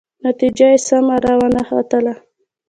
نتیجه یې سمه را ونه وتله.